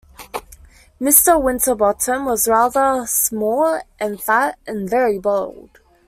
Mr. Winterbottom was rather small and fat, and very bald.